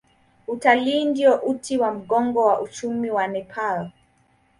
Utalii ndio uti wa mgongo wa uchumi wa Nepal.